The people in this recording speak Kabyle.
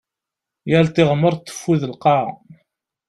Yal tiɣmert teffud lqaɛa.